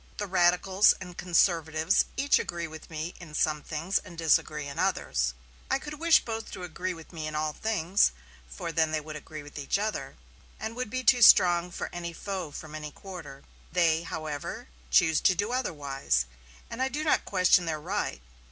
The radicals and conservatives each agree with me in some things and disagree in others. I could wish both to agree with me in all things; for then they would agree with each other, and would be too strong for any foe from any quarter. They, however, choose to do otherwise, and I do not question their right.